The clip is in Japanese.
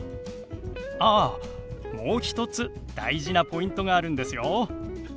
あっもう一つ大事なポイントがあるんですよ。